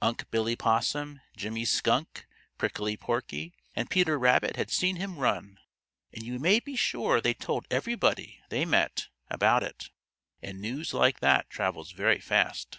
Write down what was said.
Unc' Billy Possum, Jimmy Skunk, Prickly Porky, and Peter Rabbit had seen him run, and you may be sure they told everybody they met about it, and news like that travels very fast.